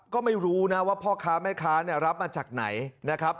ก็ไม่รู้นะว่าพ่อค้าแม่ค้ารับมาจากไหนนะครับ